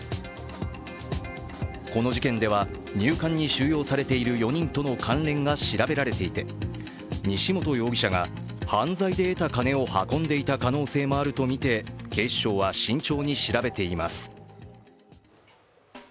この事件では入管に収容されている４人との関連が調べられていて西本容疑者が犯罪で得た金を運んでいた可能性もあるとみて警視庁は慎重に調べています。